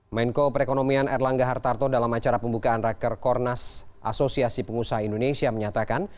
menko perekonomian erlangga hartarto dalam acara pembukaan raker kornas asosiasi pengusaha indonesia menyatakan